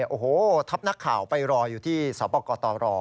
โอ้โหทัพนักข่าวไปรออยู่ที่สปกตร